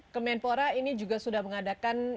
kemenpora ini juga sudah mengadakan